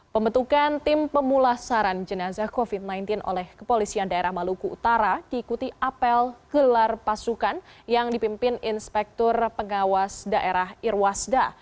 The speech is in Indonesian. pembentukan tim pemulasaran jenazah covid sembilan belas oleh kepolisian daerah maluku utara diikuti apel gelar pasukan yang dipimpin inspektur pengawas daerah irwasda